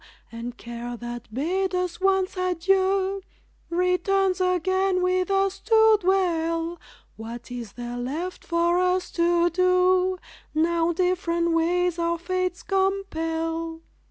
And care, that bade us once adieu, Returns again with us to dwell What is there left for us to do, Now different ways our fates compel?